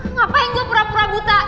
ngapain gue pura pura buta